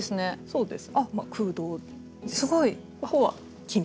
そうです。